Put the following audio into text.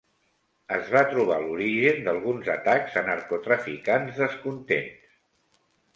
Es va trobar l'origen d'alguns atacs a narcotraficants descontents.